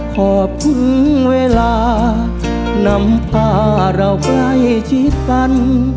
ขอบคุณเวลานำพาเราใกล้ชิดกัน